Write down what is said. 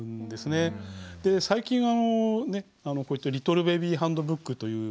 で最近はこういったリトルベビーハンドブックという。